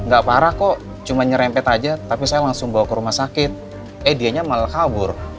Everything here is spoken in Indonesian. gak parah kok cuma nyerempet aja tapi saya langsung bawa ke rumah sakit eh dianya malah kabur